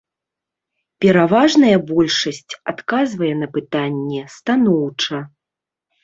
Пераважная большасць адказвае на пытанне станоўча.